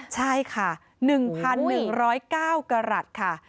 ใช่ค่ะ๑๑๐๙กรัฐค่ะ